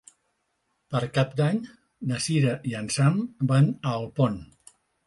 Per Cap d'Any na Cira i en Sam van a Alpont.